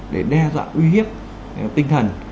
để đe dọa uy hiếp tinh thần